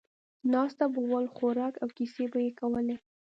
ناست به ول، خوراک او کیسې به یې کولې.